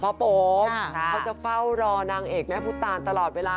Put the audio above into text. โปมเขาจะเฝ้ารอนางเอกแม่พุทธตานตลอดเวลา